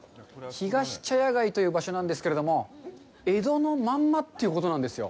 ひがし茶屋街という場所なんですけれども、江戸のまんまということなんですよ。